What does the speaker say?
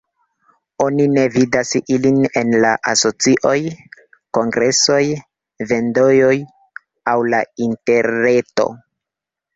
Oni ne vidas ilin en la asocioj, kongresoj, vendejoj aŭ la interreto.